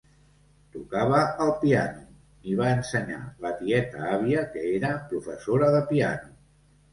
Tocava el piano; n'hi va ensenyar la tieta-àvia, que era professora de piano.